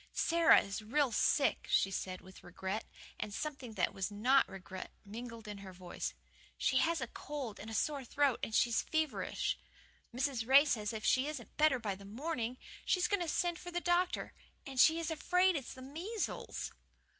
"Sara is real sick," she said, with regret, and something that was not regret mingled in her voice. "She has a cold and sore throat, and she is feverish. Mrs. Ray says if she isn't better by the morning she's going to send for the doctor. AND SHE IS AFRAID IT'S THE MEASLES."